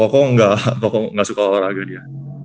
oh kalau koko nggak suka olahraga dia